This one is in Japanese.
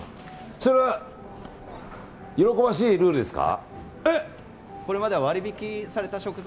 それは、喜ばしいルールですか？